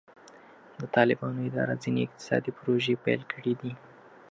د طالبانو اداره ځینې اقتصادي پروژې پیل کړي دي.